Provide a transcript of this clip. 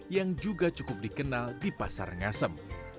yang juga cukup dikenal di pasar ngasem